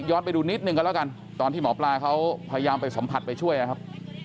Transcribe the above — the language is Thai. ไปดูนิดนึงกันแล้วกันตอนที่หมอปลาเขาพยายามไปสัมผัสไปช่วยนะครับ